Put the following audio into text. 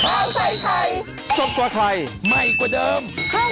ข้าวใส่ไทยสดกว่าไทยใหม่กว่าเดิม